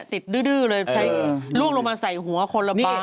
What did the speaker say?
ติดดื้อเลยลวงลงมาใส่หัวคนละบางลำใส่